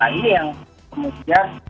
nah ini yang kemudian